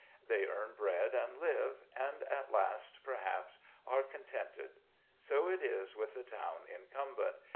They earn bread and live; and at last, perhaps, are contented. So it is with the town incumbent.